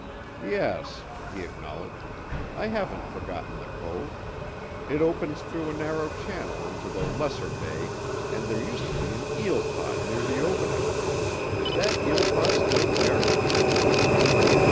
"Yes," he acknowledged, "I haven't forgotten the cove. It opens through a narrow channel into the lesser bay and there used to be an eel pot near the opening. Is that eel pot still there?"